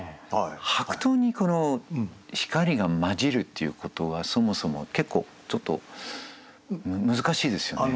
白桃にこの光が交じるっていうことはそもそも結構ちょっと難しいですよね。